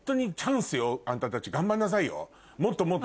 あんたたち頑張んなさいよ。